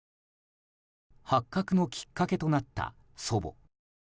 発覚のきっかけとなった祖母。